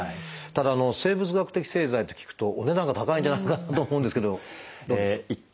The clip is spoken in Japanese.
ただ生物学的製剤と聞くとお値段が高いんじゃないかと思うんですけどどうでしょう？